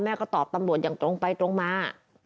แม่ก็ตอบตำโหลดอย่างตรงไปตรงมา